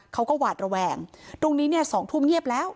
เขาก็หวาดระแวงตรงนี้เนี่ย๒ทุ่มเงียบแล้ว